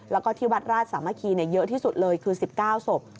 แล้วก็ที่วัดราชสามัคคีเยอะที่สุดเลยคือ๑๙ศพ